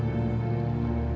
aku mau balik